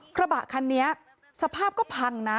กระบะคันนี้สภาพก็พังนะ